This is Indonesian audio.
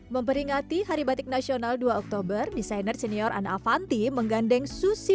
memperingati hari batik nasional dua oktober desainer senior anna avanti menggandeng susi